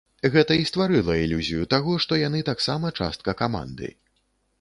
Гэта і стварыла ілюзію таго, што яны таксама частка каманды.